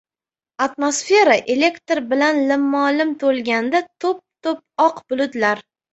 Atmosfera elektr bilan limmo-lim toʻlganda toʻp-toʻp oq bulutlar